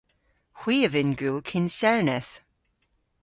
Hwi a vynn gul kynserneth.